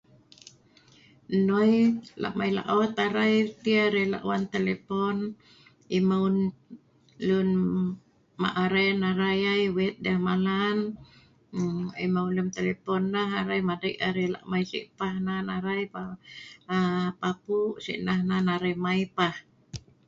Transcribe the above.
Nnoi lak mai laot arai, mesti arai lak wan telepon emeu lun mak aren arai ai, wet deh malan emeu lem telepon nah arai madei arai lak mai si pah nan arai mai, nan arai papu si pah nan arai mai pah